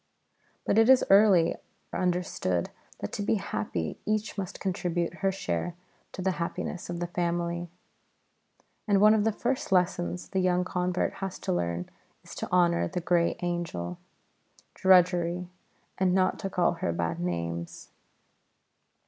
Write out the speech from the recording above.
But it is early understood that to be happy each must contribute her share to the happiness of the family; and one of the first lessons the young convert has to learn is to honour the "Grey Angel," Drudgery, and not to call her bad names.